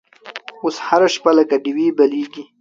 اوس هره شپه لکه ډیوې بلیږې